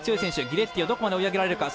ギレッティをどこまで追い上げられるか。